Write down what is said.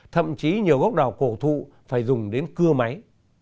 thậm chí nhiều gốc đào cổ thụ phải dùng đến cưa máy